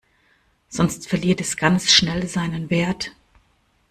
Sonst verliert es ganz schnell seinen Wert.